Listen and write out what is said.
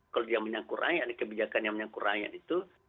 kalau dia menyangkut rakyat kebijakan yang menyangkut rakyat itu